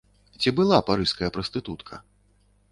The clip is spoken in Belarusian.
Ці была парыжская прастытутка?